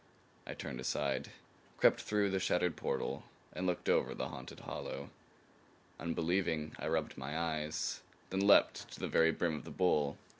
I turned aside, crept through the shattered portal and looked over the haunted hollow. Unbelieving, I rubbed my eyes; then leaped to the very brim of the bowl.